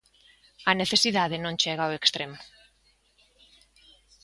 A necesidade non chega ao extremo.